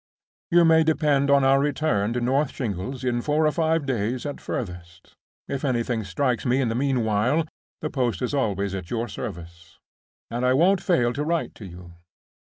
You may depend on our return to North Shingles in four or five days at furthest. If anything strikes me in the meanwhile, the post is always at our service, and I won't fail to write to you."